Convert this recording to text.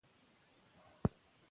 که والیبال وي نو ټوپ نه هیریږي.